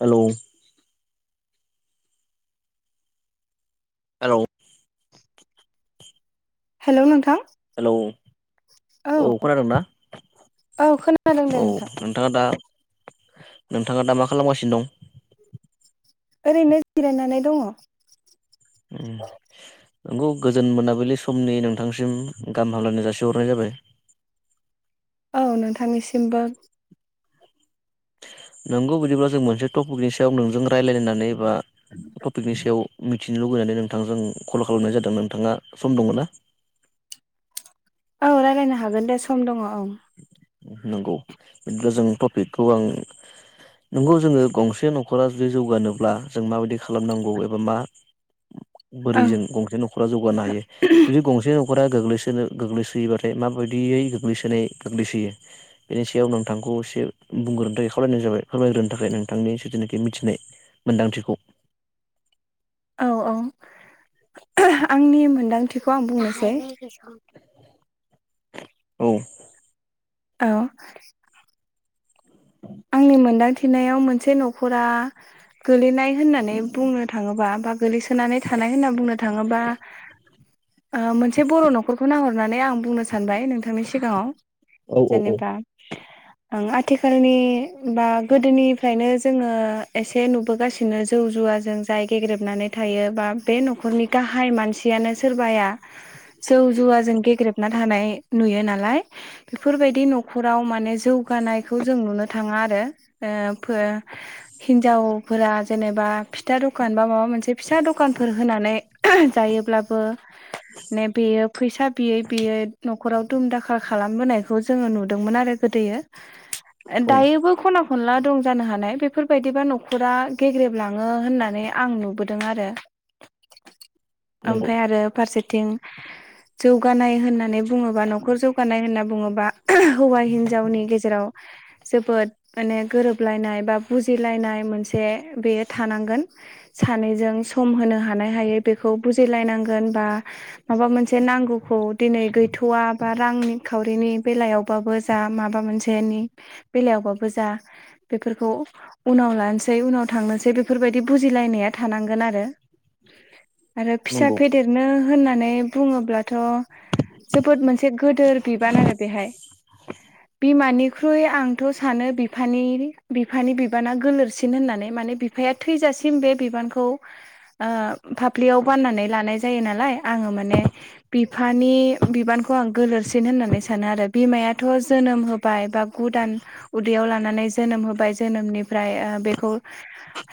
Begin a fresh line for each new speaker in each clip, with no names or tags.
Hello hello.
Hello नोंथां
hello औ खोनादों ना?
औ खोनादों दे
औ
नोंथां
नोंथाङा दा नोंथाङा दा मा खालामगासिनो दं?
ओरैनो जिरायनानै दङ।
उम नंगौ गोजोन मोनाबिलि समनि नोंथांसिम गाहाम हामलायनाय जासिहरनाय जाबाय।
औ नोंथांनिसिमबो
नंगौ बिदिब्ला जों मोनसे टपिकनि सायाव नोंजों रायलायनो होननानै बा टपिकनि सायाव मिथि नो लुबैनानै नोंथांजों कल खालामनाय जादों नोंथाङा सम दङ ना?
औ रायलायनो हागोन दे सम दङ औ
नंगौ बिदिब्ला जों टपिकखौ आं नोंगौ जोङो गंसे न'खरा जुदि जौगानोब्ला जों माबायदि खालामनांगौ एबा मा बोरै जों गंसे न'खरा जौगानो हायो जुदि गंसे न' खरा गोग्लैसोनो गोग्लैसोयोबाथाय माबायदियै गोग्लैसोनाय गोग्लैसोयो बेनि सायाव नोंथांखौ खौ एसे बुंग्रोनो थाखाय खावायनाय जाबाय फोरमायग्रोनो थाखाय नोंथांनि जिथुनाखि मिथिनाय मोन्दांथिखौ
औ औ आंनि मोनदांथिखौ आं बुंनोसै [unintelligible]
औ
औ आंनि मोनदांथिनायाव मोनसे न'खरा गोलैनाय होननानै बुंनो थाङोबा बा गोलैसोनानै थानाय होनना बुंनो थाङोबा ओ मोनसे बर न'खरखौ नाहरनानै आं बुंनो सानबाय नोंथांनि सिगाङाव
औ औ औ
जेनेबा ओं आथिखालनि बा गोदोनिफ्रायनो जोङो एसे नुबोगासिनो जौ जुवाजों जाय गेग्रेबनानै थायो बा बे न'खरनि गाहाय मानसियानो सोरबाया जौ जुवाजों गेग्रेबना थानाय नुयो नालाय बेफोरबायदि न'खराव माने जौ गानायखौ जों नुनो थाङा आरो ओ फो हिजावफोरा जेनेबा फि था द'खान बा माबा मोनसे फिसा द'खानफोर होनानै जायोब्लाबो ने बेयो फैसा बियै बियै न'खराव दुम दाखाल खालामबोनायखौ जोङो नुदोंमोन आरो गो दोयो
औ
दायोबो खना खनला दं जानो हानाय बेफोरबायदिबा न'खरा गेग्रेबलाङो होननानै आं नुबोदों आरो
नंगौ
ओमफ्राय आरो फारसेथिं जौगानाय होननानै बुङोबा न'खर जौगानाय होनना बुङोबा हौवा हिनजावनि गेजेराव जोबोद माने गोरोबलायनाय बा बुजिलायनाय मोनसे बेयो थानांगोन सानैजों सम होनो हानाय हायो बेखौ बुजिलायनांगोन बा माबा मोनसे नांगौ खौ दिनै गैथ'वा बा रांनि खाव रिनि बेलायावबाबो जा माबा मोनसेनि बेलायावबाबो जा बेफोरखौ उनाव लानोसै उनाव थांनोसै बेफोरबायदि बुजिलायनाया थानांगोन आरो।
[unintelligible]
आरो फिसा
नंगौ
फेदेरनो होननानै बुङोब्लाथ' जोबोद मोनसे गोदोर बिबान आरो बेहाय बिमानिख्रुइ आं थ' सानो बिफानि बिफानि बिबाना गोलोरसिन होननानै माने बिफाया थैजासिम बे बिबान खौ ओ फाफ्लियाव बाननानै लानाय जायो नालाय आङो माने बिफा नि बिबानखौ आं गोलोरसिन होननानै सानो आरो बिमायाथ' जोनोम होबाय बा गु दान उदैयाव लानानै जोनोम होबाय जोनोमनिफ्राय ओ बेखौ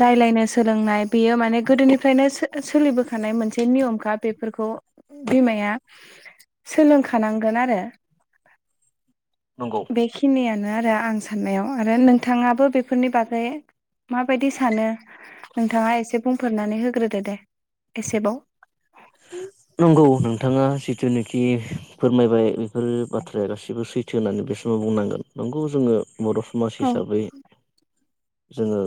रायलायनो सोलोंनाय बेयो माने गोदोनिफ्रायनो सो-सोलिबोखानाय मोनसे नियमखा बेफोरखौ बिमाया सोलोंखानांगोन आरो
[unintelligible]
बेखिनियानो आरो आं साननायाव आरो नोंथाङाबो बेफोरनि बागै माबायदि सानो नोंथाङा एसे बुंफोरनानै होग्रोदो दे एसेबाव
नंगौ नोंथाङा जिथुनाखि फोरमायबाय बेफोर बाथ्राया गाससिबो सैथो होननानै बे समाव बुंनांगोन नंगौ जोङो बर' समाज
औ
हिसाबै जोङो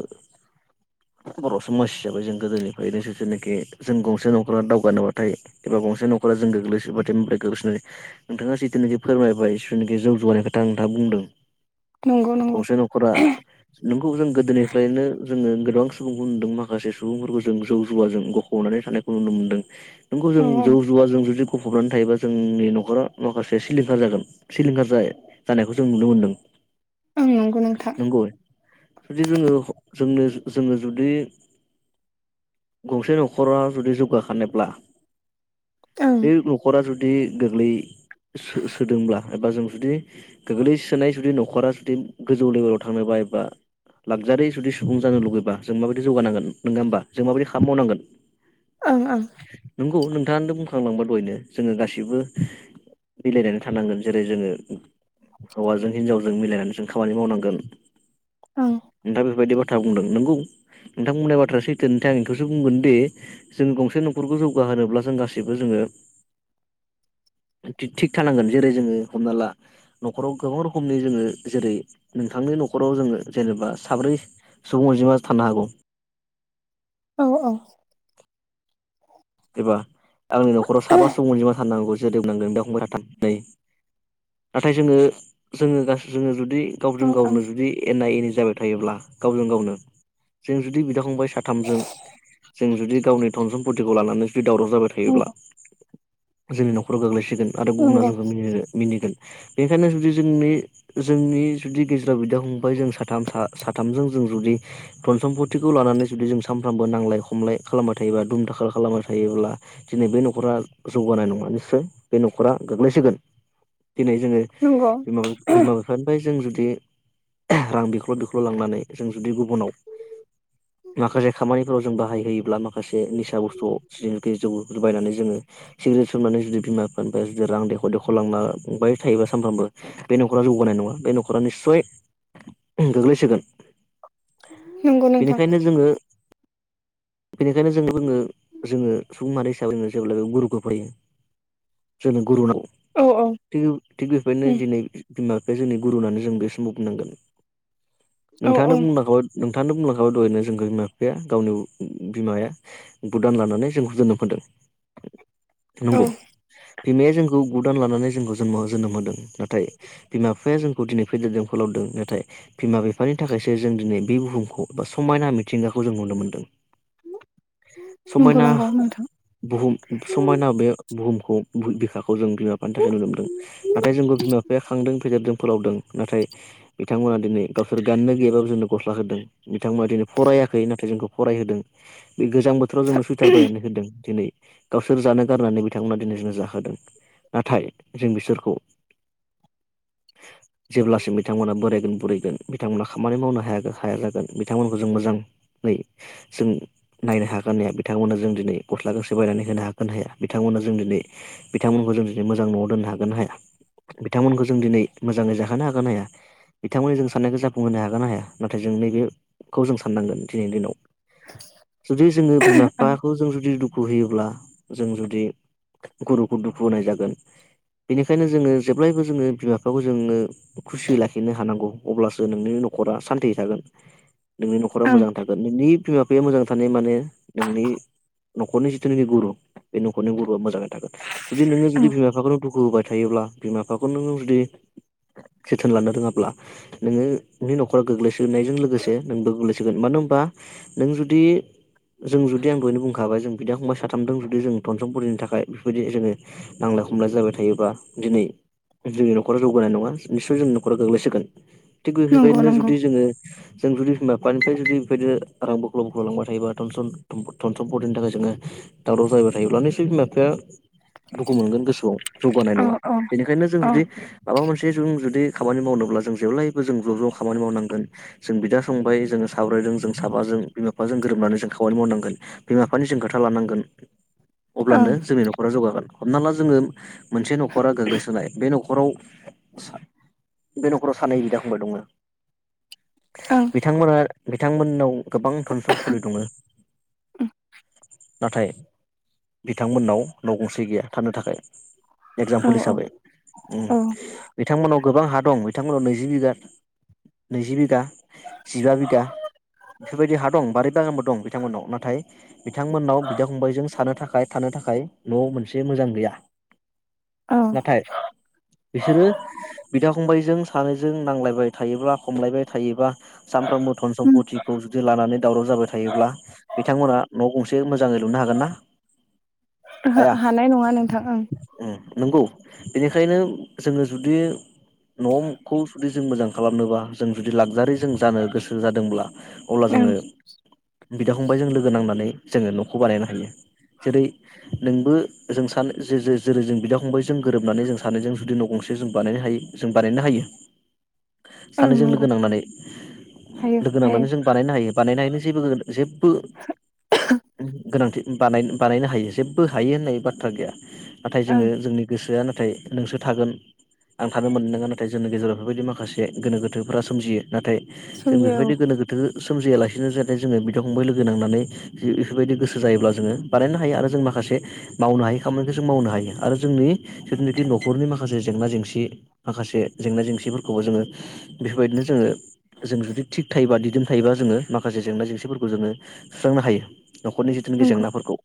बर' समाज हिसाबै जों गोदोनिफ्रायनो जेथुनाखि जों गंसे न'खरा दावगानो बा बा एबा गंसे नखरा जों गोग्लैसोबाथाइ ओमफ्राय गोग्लैसोनानै नोंथाङा जिथुनाखि फोरमायबाय जिथुनाखि जौ जुवानि खोथा नोंथाङा बुंदों
नंगौ नंगौ
गंसे न'खरा नोंगौ जों गोदोनिफ्रायनो जोङो गोबां सुबुंफोर नुदों माखासे सुबुंफोरखौ जों जौ जुवाजों गफबनानै थानायखौ नुनो मोनदों नोंगौ जों
औ औ
जौ जुवा जों जुदि गोफबनानै थायोबा जोंनि न'खरा माखासे सिलिंखार जागोन सिलिंखार ज जानायखौ जों नुनो मोनदों
ओं नंगौ नोंथां
नंगौ जुदि जोङो जोंनो जोङो जुदि गंसे न'खरा जुदि जौगाखानोब्ला
ओं
बे न'खरा जुदि गोग्लै सो सोदोंब्ला एबा जों जुदि गोग्लैसोनाय जुदि न'खरा जुदि गोजौ लेबेलाव थांनोबा एबा लाखजारि जुदि सुबुं जानो लुुबैबा जों माबायदि जौगानांगोन नङा होमबा जों माबायदि खामानि मावनांगोन
ओं ओं
नंगौ नोंथांआनो थ' बुंखांलांबाय दहायनो जोङो गासिबो मिलायनानै थानांगोन जेरै जोङो हौवाजों हिनजावजों मिलायनानै जों खामानि मावनांगोन
ओं
नोंथां बेफोरबायदि बाथ्रा बुंदों नंगौ नोंथां बुंनाय बाथ्राया सैथो नाथाय आं इखौसो बुंगोनदि जों गंसे न'रखौ जौगा गाहोनोब्ला जों गासिबो जोङो थिग थानांगोन जेरै जोङो हमना ला न'खराव गोबां रोखोमनि जोङो जेरै नोंथांनि नखराव जोङो जेनेबा साब्रै सुबुं अनजिमा थानो हागौ
औ औ
एबा आंनि न'खराव साबा सुबुं अनजिमा थाननो हगौ जोदोनांगोन दांबाय थाथ नै नाथाय जोङो जो ज जुदि जुदि
औ
गावजों
ओं ओं
गावनो जुदि एना एनि जाबाय थायोब्ला गावजों गावनो जों जुदि बिदा फंबाय साथामजों जों जुदि गावनि धन समपति खौ लानानै जुदि दावराव जाबाय थायोब्ला
नंगौ
जोंनि न'खराव गोग्लैसि गोन आरो गुबुना
नंगौ
जोंखौ मिनिगोन बेनिखायनो जुदि जोंनि जोंनि जुदि गेजेराव बिदा फंबाय जों साथाम सा साथामजों जों जुदि धन सम्पतिखौ लानानै जुदि जों सानफ्रामबो नांलाय खमलाय खालामबाय थायोबा दुम दाखाल खालामबाय थायोब्ला दिनै बे न'खरा जौगानाय नङा निसय बे न'खरा गोग्लैसोगोन दिनै जोङो
नंगौ
बिमा बिमा बिफानिफ्राय जों जुदि जु रां बिखल' बिखुल' लांनानै जों जुदि गुबुनाव माखासे खामानिफोराव जों बाहाय होोयोब्ला माखासे निसा बुस्थु ज' जि जौ लुबायनानै जोङो सिगारेट सनानै जुदि बिमा फान बा ज रां देखर देखर लांना बाय थायोबास सानफ्रामबो बे न'खरा जौगानाय नङा बे न'खरा निसय गोग्लैसोगोन
नोंगौ नोंथां
बेनिखायनो जोङो बेनिखायनो जों बुङो जोङो सुबु माहारि हिसाबै जो जेब्ला बे गुरुखौ फैयो जों गुरुुनाव
औ औ
[inaudible]
उम
बिमा बिफाया जोंनि गुरुनानै जों बे समाव बुंनांगोन
औ
नोंथाङानो
औ
बुंनांगौों खोनथानो बुंलांखाब दरनो जों बिमा बिफाया गावनि बिमाया भुदान लानानै जोंखौ जोनोम मोनदों
औ
नंगौ बिमाया जोंखौ गुदान लानानै जोंखौ जोनमाव जोनोम होदों, नाथाय बिमा बिफाया जोंखौ दिनै फेदेरदों फोलावदों। नाथाय बिमा बिफानि थाखायसो जों दिनै बे बुहुमखौ बा समायना मिथिंगाखौ जों नुनो मोनदों।
नंगौ
समायना
नंगौ नोंथां
बुहुम समायना बे बुहुम बिखौ जों बिमा बिफानि थाखाय नुनो मोनदों नाथाय, जोंखौ बिमा बिफाया खांदों फेदेरदों फोलावदों नाथाय बिथांमोना दिनै गावसोर गाननो गैयाब जोंनो गस्ला होदों बिथांमोना दिनै फराययाखै नाथाय जोंखौ फ फरायहोदों बे गोजां बोथोराव जोंनो सुवइटार बायनानै होदों दिनै गावसोर जानो गारनानै बिथांमोना दिनैसिम जाहोदों। नाथाय जों बिसोरखौ जेब्लासिम बिथांमोना बोरायगोन बुरैगोन बिथांमोना खामानि मावनो हाय हाया जागोन बिथांमोनखौ जों मोजां जों नायनो हागोन। बिथांमोना जों दिनै गस्ला गांसे बायनानै होनो हागोन हाया, बिथांमोन जों दिनै बिथांमोनखौ जों दिनै मोजां। आं न'आव दोननो हागोन ना हाया? बिथांमोनखौ जों दिनै मोजाङै जाहोनो हागोन न हाया? बिथांमोननि जों साननायखौ जाफुंहोनो हागोना हाया नाथाय जों नैबेखौ जों साननांगोन दिनैनि दिनाव । जुदि जोङो बिमा
ओं
बिफाखौ जों जुदि दुखु होयोब्ला जों जुदि गुरुखौ दुखु होनाय जागोन बेनिखायनो जोङो जेब्लायबो जोङो बिमा बिफाखौ जोङो खुसि लाखिनो हानांगौ अब्लासो नोंनि न'खरा सान्थियै थागोन नोंनि न'खरा
ओं
मोजां थागोन नोंनि बिमा बिफाया मोजां थानाय माने नोंनि न'खरनि जिथुनाखि गुरु, बे न'खरनि गुरुआ मोजाङै थागोन । जुदि नोङो
औ
जुदि बिमा बिफाखौनो दुखु होबाय थायोब्ला बिमा बिफाखौ नोङो जुदि जोथोन लानो रोङाब्ला नोङो नोंनि न'खरा गोग्लैसोनायजों लोगोसे नोंबो गोग्लैसोगोन मानो होन होनबा नों जुदि जों जुदि आं दहयनो बुंखाबाय जों बिदा फंबाय साथामजों जुदि जों नसमपुरिनि थाखाय बेफोरबायदि जोङो नांलाय खम जाबाय थायोबा दिनै जोंनि न'खराव जौगानाय नङा, निस्सय जों न'खराव गोग्लैसोगोन । थिग
नंगौ
बेफोरबायदिनो
नंगौ
जुदि जोङो जों जुदि बिमा बिफानिफ्राय जुदि बेबायदिनो रां बोख्लाव बोख'लांबाय थायोबा सन टनसन बरिनि थाखाय जोङो, दावराव जाबबाय थायोब्ला नस बिमा बिफाया दुखु मोनगोन गोसोआव जौगानाय
औ
नङा,
औ
बेनिखायनो जों
औ
जुदि माबा मोनसे जों जुदि खामानि मावनोब्ला जों जेबब्ला्लाय जों ज' ज' खामानि मावनांगोन जों बिदा संबाय जोङो साव्ररायजों जों साबाजों बिमा बिफाजों गोरोबनानै जों खामानि मावनांगोन बिमा बिफानि जों खोथा लानांगोन
ओं
अब्लानो जोंनि न'खरा जौगागोन । हमना ला जोङो मोनसे न'खरा गोग्लैसोनाय बे न'खराव बे न'खराव सानै बिदा फंबाय दङ
ओं
बिथांमोना बिथांमोननाव गोबां धन समपतो दङ नाथाय बिथांमोननाव न' गंसे गैया थानो थाखाय।
औ
एगजामपोल
औ
हिसाबै
औ
बिथांमोनाव गोबां हा दं बिथांमोनाव नैजि बिगा नैजि बिगा जिबा बिघा बेफोरबायदि हा दं बारिै बागानबो दं। बिथांमोननाव, नाथाय बिथांमोननाव बिदा फंबायजों सानो थाखाय थानो थाखाय न'आव मोनसे मोजां गैया।
औ
नाथाय बिसोरो बिदा-फंबायजों सानैजों नांलायबाय थायोब्ला खमलायबाय थायोबा सानफ्रोमबो धन
उम
सम्पतिखौ जुदि लानानै दावराव जाबाय थायो। बिथांमोना न' गंसे मोजाङै लुनो हागोनना?
ओहो
हाया!
हानाय नङा नोंथां ओं
उम नोंगौ। बेनिखायनो जोङो जुदि न' खौ जुदि जों मोजां खालामनोबा जों जुदि लागजारि जों जानो गोसो जादोंब्ला अब्ला
ओं
जोङो बिदा-फंबायजों लोगो नांनानै जोङो न'खौ बानायनो हायो। जेरै नोंबो जों सानो जे जो-जो-जोरै जों बिदा फंबायजों गोरोबनानै जों सानैजों जुदि न' गं जे जों बानायनो हायो जों बारायना होयो।
ओं
सानैजों लोगो
नंगौ
नांनानै उ
हायो
लोगो
हायो
नांनानै जों बानायनो हायो बानायनो हायिनि जेबो [unintelligible] गोनांथि बानाय बानायनो हायो जेब्बो हायो होननाय बाथ्रा गैया नाथाय जोङो
ओं
जोंनि गोसोआनो नाथाय नोंसो थागोन आं थानो मोननो नोङा नाथाय जोंनि गेजेराव बेफोरबायदि माखासे गोनो गोथोफोरा सोमजियो। नाथाय जों
सोमजियो औ
बेफोरबायदि गोनो गोथो सोमजियालासिनो जाते जोङो बिदा फंबाय लोगो नांनानै इफोरबायदि गोसो जायोब्ला जोङो बानायनो हायो आरो जों माखासे मावनो हायो खामानिखो जों मावनो हायो आरो जोंनि सोरनिति न'खरनि माखासे जेंना जेंसि माखासे जेंना जेंसि सिफोरखौबो जोङो बेफोरबायदिनो जोङो जों जुदि थिग थायोबा दिदोम थायोबा जोङो माखासे जेंना जेंसिफोरखौ जोङो सुस्रांनो हायो। न'खरनि जिथुनिखि
नंगौ
जेंनाफोरखौ।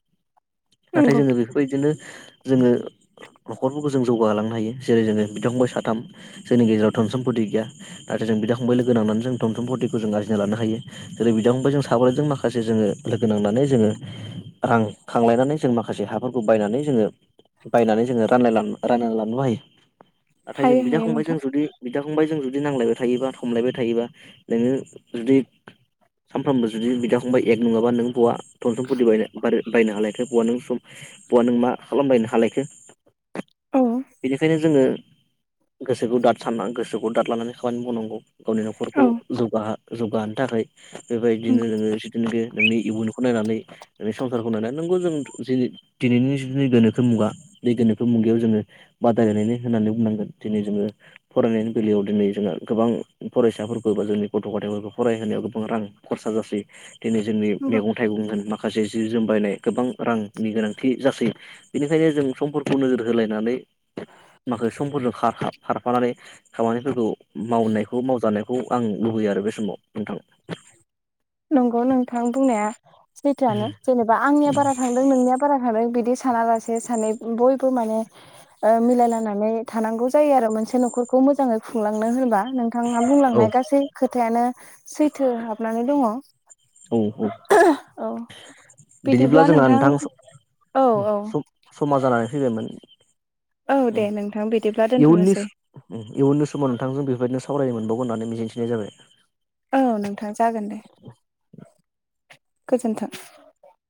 नाथाय
नंगौ
जोङो बेफोरबायदिनो जोङो न'खरफोरखौ जों जौगाहोलांनो हायो जेरै जोङो बिदा-फंबाय साथाम जोंनि गेजेराव धन-सम्पति गैया नाथाय जों बिदा फंबाय लोगो नांनानै जों धन-सम्पतिखो जों आरजिना लानो हायो जेरै बिदा फंबाय जों सा साब्रैजों माखासे जोङो लोगो नांनानै जोङो रां खांलायनानै जों माखासे हाफोरखौ बायनानै जों जोङो बायनानै जोङो रानलायना रानना लानोबो हायो नाथाय जों
हायो
बिदा
हायो
फंबाय जों
नोंथां
जुदि बिदा फंबायजों जुदि नांलायबाय थायोबा थमलायबाय थायोबा नोङो जुदि सानफ्रोमबो जुदि बिदा फंबाय एक नङाबा नों बवा धनसम्पति बाय बारो बायनो हालायखो बवा नों सम बवा नों मा खालामबायनो हालायखो?
औ
बेनिखायनो जोङो गोसोखौ दाद सान्ना गोसोखौ दाद लानानै खामानि मावनांगौ। गावनि
औ
न'खरखौ जौगाहो-जौगाहोनो थाखाय बेबायदिनो
नंगौ
[unintelligible] नोंनि इयुनखौ नायनानै नोंनि संसारखौ नायनानै नोंगौ जों जिनि दिनैनि जनि गोनोखो मुगा दै गोनोखो मुगायाव जोङो बादायलायनायनि होननानै बुंनांगोन दिनै जोङो फरायनायनि बेलायाव दिनै जोंहा गोबां फरायसा फोरबोबो जोंनि गथ' गथायफोरखो फरायहोनायाव गोबां रां खरसा जासै दिनै जोंनि
नंगौ
मैगं-थाइगं होन मा खासे जि जोम बायनाय गोबां रां नि गोनांथि जासै। बेनिखायनो जों समफोरखौ नोजोर होलायनानै माखासे समफोरजों खार खाब खारफानानै खामानिफोरखौ मावनायखौ मावजानायखौ आं लुबैयो आरोबे समाव नोंथां। [inaudible]
नंगौ नोंथां बुंनाया सैथोआनो जेनेबा आंनिया बारा थांदों नोंनिया बारा थादों बिदि सानालासे सानै बयबो माने ओ मिलायलायनानै थानांगौ जायो आरो मोनसे न'खरखौ खौ मोजाङै खुंलांनो होनोबा। नोंथाङा
औ
बुंलांनाय गासै खोथायानो सैथो हाबनानै दङ।
औ औ।
औ
बिदिब्ला जोंहा नोंथां
औ औ
स-स-समा जानानै फैबायमोन।
औ दे
उम
नोंथां बिदिब्ला
इयुननि
दोनथ'नोसै
उम इयुननि समाव नोंथांजों बेबायदिनो स सावरायनो मोनबावगोन होननानै मिजिंथिनाय जाबाय।
औ नोंथां जागोनदे [inaudible] गोजोन्थों।